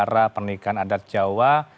acara pernikahan adat jawa